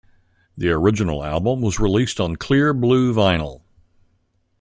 The original album was released on clear blue vinyl.